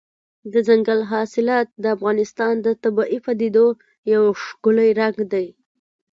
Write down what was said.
دځنګل حاصلات د افغانستان د طبیعي پدیدو یو ښکلی رنګ دی.